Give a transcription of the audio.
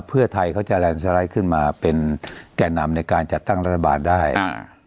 เทพเทยเขาจะขึ้นมาเป็นแก่นำในการจัดตั้งรัฐบาลได้อ่า